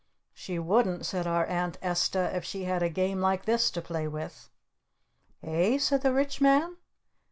"She wouldn't," said our Aunt Esta, "if she had a game like this to play with." "Eh?" said the Rich Man.